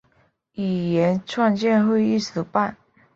语言创建会议主办。